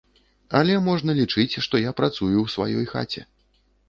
Але можна лічыць, што я працую ў сваёй хаце.